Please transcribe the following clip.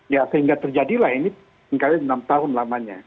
ya sehingga terjadilah ini enam tahun lamanya